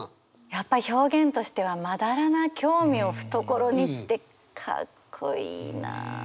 やっぱり表現としては「斑な興味を懐に」ってかっこいいな。